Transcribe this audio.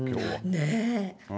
ねえ。